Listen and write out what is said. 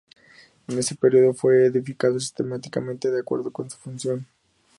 En ese período fue edificado sistemáticamente de acuerdo con su función.